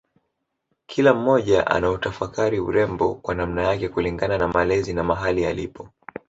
Kila mmoja anautafakari urembo kwa namna yake kulingana na malezi na mahali alipo